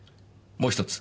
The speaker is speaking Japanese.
もう１つ。